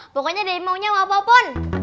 pokoknya debi maunya apa pun